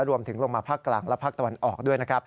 รวมถึงลงมาภาคกลางและภาคตะวันออกด้วย